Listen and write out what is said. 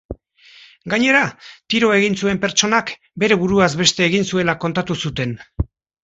Gainera, tiroa egin zuen pertsonak bere buruaz beste egin zuela kontatu zuten.